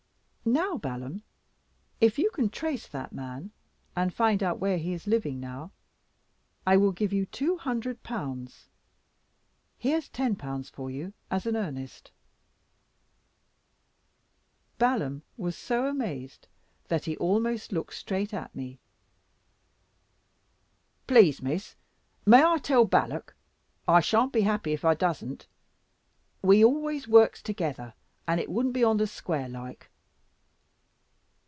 "Now, Balaam, if you can trace that man, and find out where he is living now, I will give you two hundred pounds. Here's ten pounds for you as an earnest." Balaam was so amazed, that he almost looked straight at me. "Please, Miss, may I tell Balak? I shan't be happy if I doesn't. We always works together, and it wouldn't be on the square like."